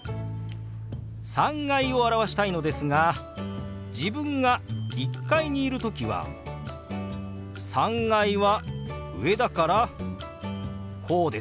「３階」を表したいのですが自分が１階にいる時は３階は上だからこうですよね。